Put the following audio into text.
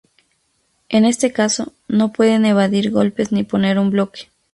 En este caso, no pueden evadir golpes ni poner un bloque.